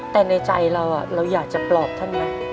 แต่ในใจเราเราอยากจะปลอบท่านไหม